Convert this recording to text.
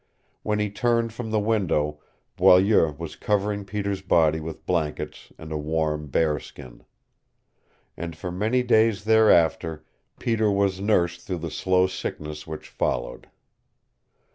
When he turned from the window Boileau was covering Peter's body with blankets and a warm bear skin. And for many days thereafter Peter was nursed through the slow sickness which followed.